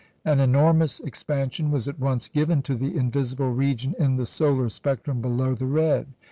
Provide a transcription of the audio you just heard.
An enormous expansion was at once given to the invisible region in the solar spectrum below the red.